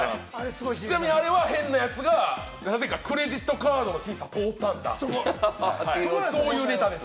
ちなみに、あれは変なやつがなぜかクレジットカードの審査、通ったんだっていう、そういうネタです。